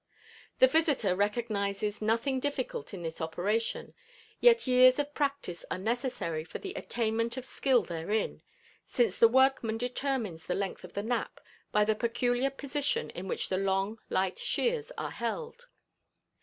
The visitor recognizes nothing difficult in this operation, yet years of practice are necessary for the attainment of skill therein, since the workman determines the length of the nap by the peculiar position in which the long, light shears are held.